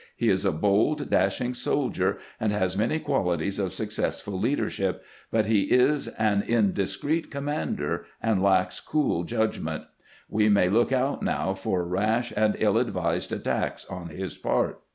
He is a bold, dashing soldier, and has many qualities of successful leadership, but he is an indiscreet commander, and lacks cool judg ment. We may look out now for rash and ill advised attacks on his part.